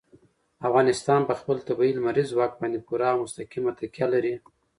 افغانستان په خپل طبیعي لمریز ځواک باندې پوره او مستقیمه تکیه لري.